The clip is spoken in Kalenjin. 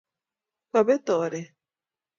kapet oret